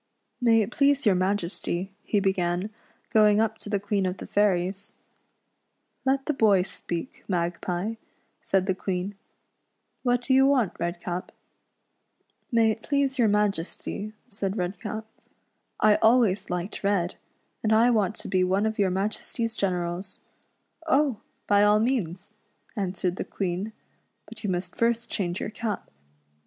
"May it please your Majesty," he began, going up to the Queen of the Fairies. " Let the boy speak, Magpie," said the Queen ; "what do you want. Redcap .''"" May it please your Majesty," said Redcap, •' I 94 REDCAP'S AD VENTURES IN FAIR YLAND. always liked red ; and I want to be one of your Majesty's generals." "Oh ! by all means," answered the Queen; "but you must first change your cap.